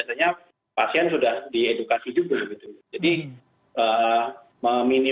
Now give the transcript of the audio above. jadi meminimalkan kemungkinan mengalami hal hal yang tidak diinginkan seperti tadi